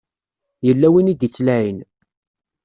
Yella win i d-ittlaɛin.